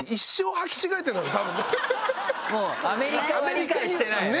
もうアメリカは理解してないよね。